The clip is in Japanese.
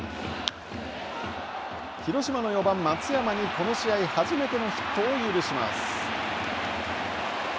広島の４番松山にこの試合初めてのヒットを許します。